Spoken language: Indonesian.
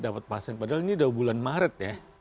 dapat pasien padahal ini udah bulan maret ya